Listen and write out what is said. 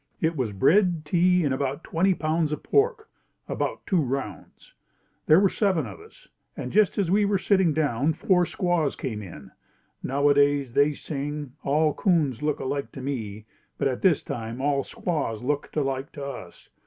It was bread, tea and about twenty pounds of pork about two rounds. There were seven of us and just as we were sitting down, four squaws came in. Nowadays they sing, "All Coons look Alike to me," but at this time all squaws looked alike to us.